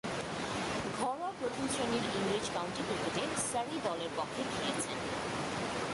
ঘরোয়া প্রথম-শ্রেণীর ইংরেজ কাউন্টি ক্রিকেটে সারে দলের পক্ষে খেলেছেন।